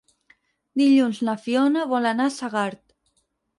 Dilluns na Fiona vol anar a Segart.